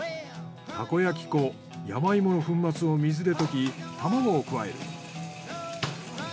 たこ焼き粉・山芋の粉末を水で溶き卵を加える。